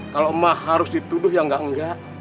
kalau mah harus dituduh ya enggak enggak